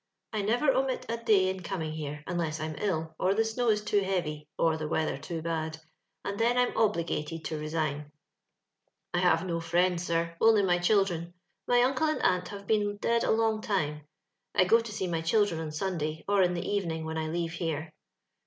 I never omit a day in coming here, unless Fm ill, or the snow is too heavy, or the weather too bad, and then Tm obligatt^d to resign. I have no friends, sir, only my children ; my uncle and aunt havo been dead a lo^g time. I go to see my children on Sunday, or in the evening, when I leave here.